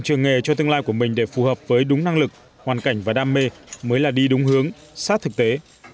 trường nghề cho tương lai của mình để phù hợp với đúng năng lực hoàn cảnh và đam mê mới là đi đúng hướng sát thực tế